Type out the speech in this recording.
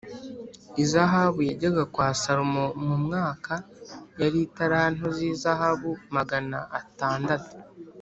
Izahabu yajyaga kwa Salomo mu mwaka yari italanto z’izahabu magana atandatu